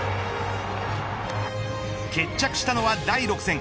決着したのは第６戦。